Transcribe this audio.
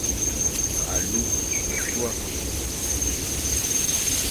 Alu ôsua.